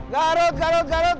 garut garut garut